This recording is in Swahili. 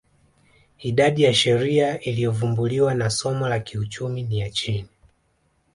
Idadi ya sheria zilizovumbuliwa na somo la kiuchumi ni ya chini